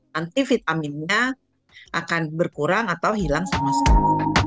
nanti vitaminnya akan berkurang atau hilang sama sekali